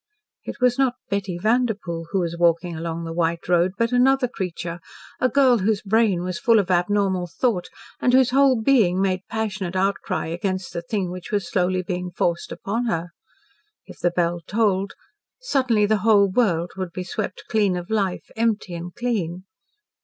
It was not Betty Vanderpoel who was walking along the white road, but another creature a girl whose brain was full of abnormal thought, and whose whole being made passionate outcry against the thing which was being slowly forced upon her. If the bell tolled suddenly, the whole world would be swept clean of life empty and clean.